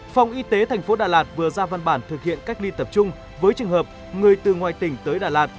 phòng y tế thành phố đà lạt vừa ra văn bản thực hiện cách ly tập trung với trường hợp người từ ngoài tỉnh tới đà lạt